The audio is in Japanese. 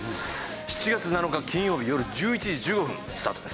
７月７日金曜日よる１１時１５分スタートです。